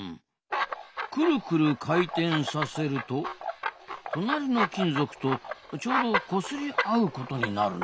くるくる回転させると隣の金属とちょうどこすり合うことになるな。